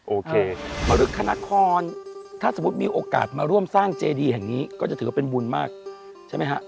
โอเคมรึกคณครถ้าสมมุติมีโอกาสมาร่วมสร้างเจดีแห่งนี้ก็จะถือว่าเป็นบุญมากใช่ไหมฮะ